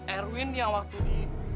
erwin yang waktu di